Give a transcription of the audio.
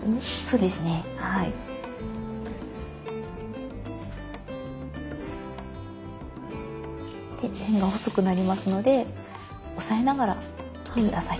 で線が細くなりますので押さえながら切って下さい。